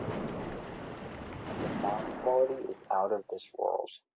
And the sound quality is out of this world.